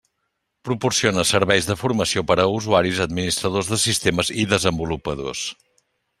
Proporciona serveis de formació per a usuaris, administradors de sistemes i desenvolupadors.